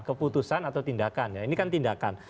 keputusan atau tindakan ya ini kan tindakan